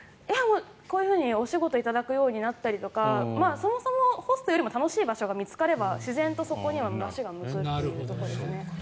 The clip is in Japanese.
こういうふうにお仕事を頂くようになってからそもそもホストよりも楽しい場所が見つかれば自然とそこに足が向くと。